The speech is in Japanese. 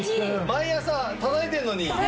毎朝たたいてるのに。